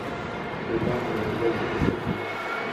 Les larmes ne résolvent aucun problème.